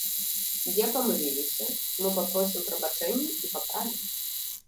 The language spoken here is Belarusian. Дзе памыліліся, мы папросім прабачэння і паправім.